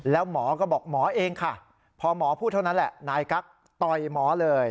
แล้วหมอก็บอกหมอเองค่ะพอหมอพูดเท่านั้นแหละนายกั๊กต่อยหมอเลย